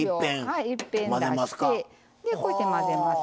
いっぺん出してこうやって混ぜます。